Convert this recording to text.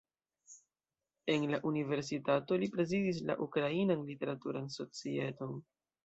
En la universitato li prezidis la Ukrainan literaturan societon.